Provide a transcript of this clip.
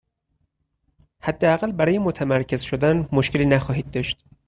حداقل برای متمرکز شدن مشکلی نخواهید داشت.